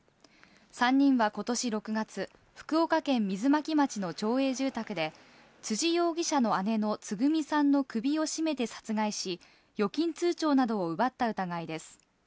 ３人はことし６月、福岡県水巻町の町営住宅で、辻容疑者の姉のつぐみさんの首を絞めて殺害し、預金通帳などを奪った疑いです。